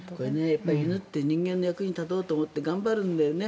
犬って人間の役に立とうと思って頑張るんだよね。